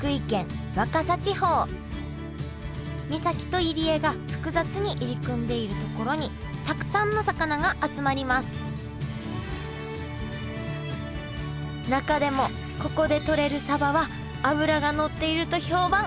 岬と入り江が複雑に入り組んでいる所にたくさんの魚が集まります中でもここでとれるサバは脂がのっていると評判。